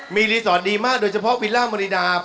มีรีสอร์ทดีมากโดยเฉพาะวิลล่ามริดา